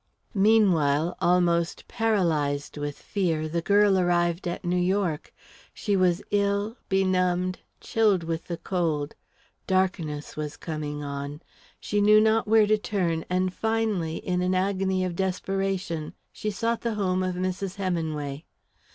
Meanwhile, almost paralysed with fear, the girl arrived at New York. She was ill, benumbed, chilled with the cold; darkness was coming on; she knew not where to turn, and finally, in an agony of desperation, she sought the home of Mrs. Heminway.